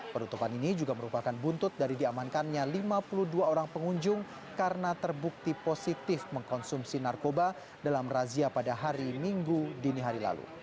penutupan ini juga merupakan buntut dari diamankannya lima puluh dua orang pengunjung karena terbukti positif mengkonsumsi narkoba dalam razia pada hari minggu dini hari lalu